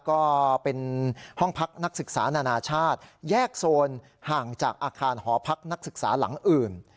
ก็เป็นห้องพักนักศึกษานานาชาติแยกโซนห่างจากอาคารหอพักนักศึกษาหลังอื่น